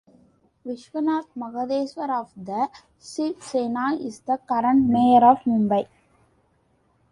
Vishwanath Mahadeshwar of the Shiv Sena is the current Mayor of Mumbai.